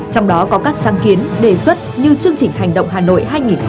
trong đó có các sáng kiến đề xuất như chương trình hành động hà nội hai nghìn hai mươi